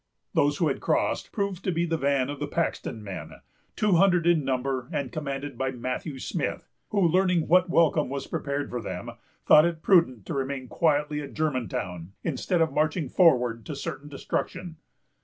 Those who had crossed proved to be the van of the Paxton men, two hundred in number, and commanded by Matthew Smith; who, learning what welcome was prepared for them, thought it prudent to remain quietly at Germantown, instead of marching forward to certain destruction.